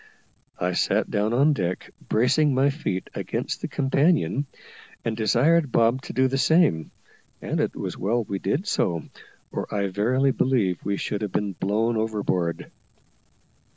I sat down on deck, bracing my feet against the companion, and desired Bob to do the same; and it was well we did so, or I verily believe we should have been blown overboard.